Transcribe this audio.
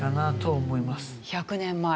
１００年前？